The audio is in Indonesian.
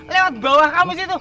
lewat bawah kamu